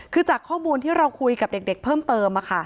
คือจากข้อมูลที่เราคุยกับเด็กเพิ่มเติม